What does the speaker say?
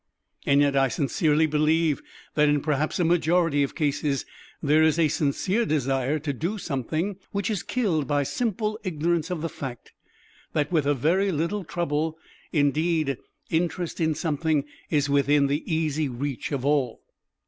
And yet I sincerely believe that in perhaps a majority of cases there is a sincere desire to do something, which is killed by simple ignorance of the fact that with a very little trouble indeed interest in something is within the easy reach of all.